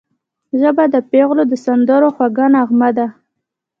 ژبه د پېغلو د سندرو خوږه نغمه ده